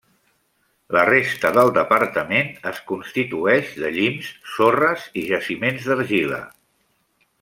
La resta del departament es constitueix de llims, sorres i jaciments d'argila.